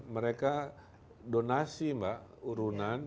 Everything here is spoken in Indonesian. mereka donasi mbak urunan